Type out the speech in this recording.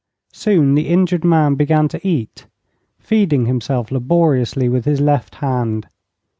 Soon the injured man began to eat, feeding himself laboriously with his left hand.